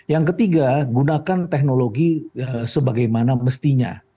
yang ketiga gunakan teknologi sebagaimana mestinya